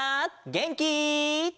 げんき！